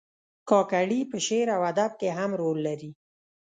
کاکړي په شعر او ادب کې هم رول لري.